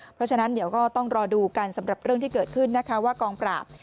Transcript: เพราะฉะนั้นเดี๋ยวก็ต้องรอดูกันสำหรับเรื่องที่เกิดขึ้นนะคะว่ากองปราบ